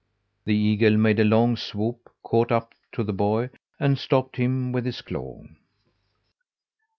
The eagle made a long swoop, caught up to the boy, and stopped him with his claw.